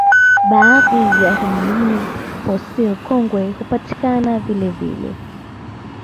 Baadhi ya hominid fossils kongwe hupatikana vilevile